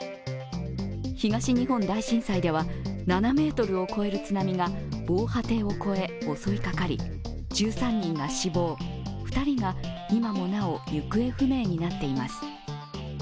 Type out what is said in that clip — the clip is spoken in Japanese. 東日本大震災では、７ｍを超える津波が防波堤を越え襲いかかり、１３人が死亡、２人が今もなお行方不明になっています。